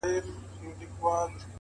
خپل وخت په ارزښتناکو کارونو ولګوئ،